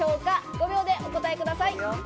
５秒でお答えください。